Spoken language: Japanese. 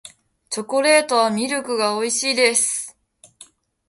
チョコレートはミルクが美味しいです